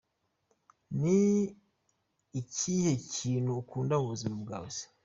Ni ikihe kintu ukunda mu buzima bwawe se?.